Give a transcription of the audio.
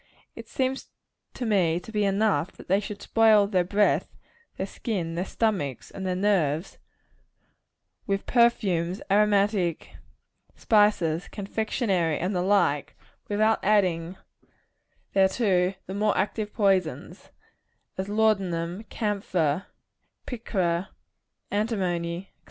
It seems to me to be enough, that they should spoil their breath, their skin, their stomachs and their nerves, with perfumes, aromatic seeds and spices, confectionary, and the like, without adding thereto the more active poisons as laudanum, camphor, picra, antimony, &c.